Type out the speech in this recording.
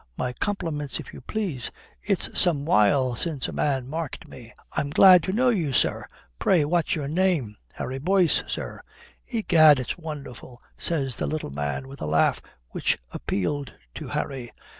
"My compliments, if you please. It's some while since a man marked me. I am glad to know you, sir. Pray, what's your name?" "Harry Boyce, sir." "Egad, it's wonderful!" says the little man, with a laugh which appealed to Harry.